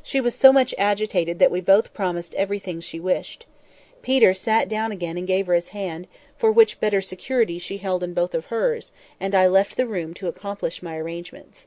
She was so much agitated that we both promised everything she wished. Peter sat down again and gave her his hand, which for better security she held in both of hers, and I left the room to accomplish my arrangements.